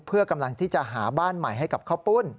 เพื่อกำลังที่จะหาบ้านใหม่ให้กับข้าวปุ้น